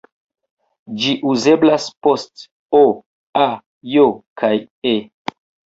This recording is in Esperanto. Ĝi uzeblas post "-o", "-a", "-j" kaj "-e".